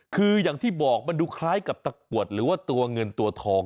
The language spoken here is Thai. คืออย่างที่บอกมันดูคล้ายกับตะกรวดหรือว่าตัวเงินตัวทอง